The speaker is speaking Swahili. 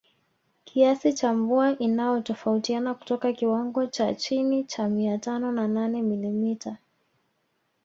Kiasi cha mvua inatofautiana kutoka kiwango cha chini cha mia tano na nane milimita